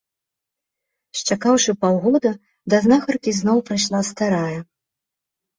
Счакаўшы паўгода, да знахаркі зноў прыйшла старая.